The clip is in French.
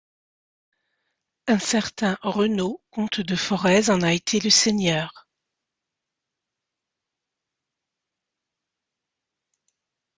Un certain Renaud comte de Forez en a été le seigneur.